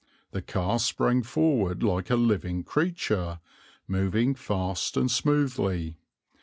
The car sprang forward like a living creature, moving fast and smoothly.